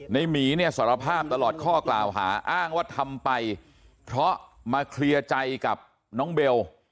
หมีเนี่ยสารภาพตลอดข้อกล่าวหาอ้างว่าทำไปเพราะมาเคลียร์ใจกับน้องเบล